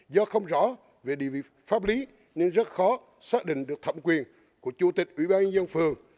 do không rõ về địa vị pháp lý nên rất khó xác định được thẩm quyền của chủ tịch ủy ban nhân dân phường